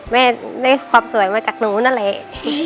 แม่ได้ความสวยมาจากนู้นนั่นแหละ